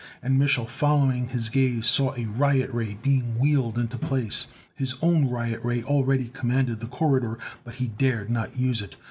And Mich'l, following his gaze, saw a riot ray being wheeled into place. His own riot ray already commanded the corridor, but he dared not use it.